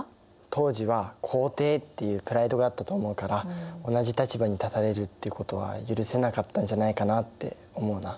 当時は皇帝っていうプライドがあったと思うから同じ立場に立たれるってことは許せなかったんじゃないかなって思うな。